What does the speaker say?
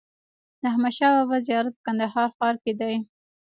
د احمدشاه بابا زيارت په کندهار ښار کي دئ.